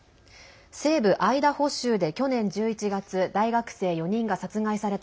西部アイダホ州で去年１１月大学生４人が殺害された